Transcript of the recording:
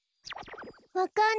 わかんない。